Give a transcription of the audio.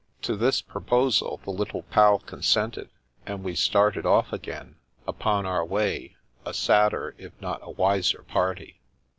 To this proposal the Little Pal consented, and we started off again upon our way, a sadder if not a wiser party.